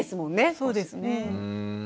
そうですね。